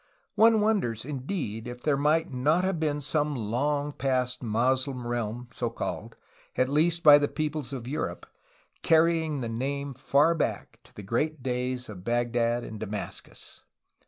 One wonders, indeed, if there might not have been some long past Moslem realm so called, at least by the peoples of Europe, carrying the name far back to the great days of Bagdad and Damascus.